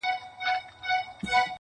هغه سندري د باروتو او لمبو ويلې!!